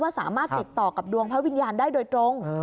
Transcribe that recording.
สามารถติดต่อกับดวงพระวิญญาณได้โดยตรง